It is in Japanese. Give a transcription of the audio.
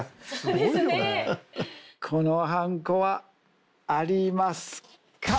このはんこはありますか？